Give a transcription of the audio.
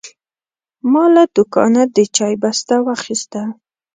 ما له دوکانه د چای بسته واخیسته.